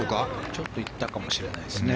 ちょっと行ったかもしれないですね。